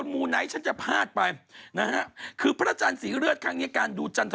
มันก็บอกคนที่ชงเดือนปรีมโรง